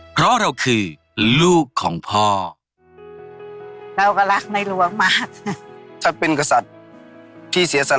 เพราะเราคือลูกของพ่อ